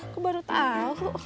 aku baru tahu